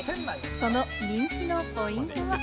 その人気のポイントは。